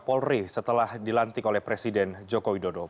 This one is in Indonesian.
kapal rih setelah dilantik oleh presiden joko widodo